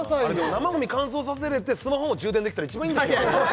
生ゴミ乾燥させれてスマホも充電できたら一番いいんだけどね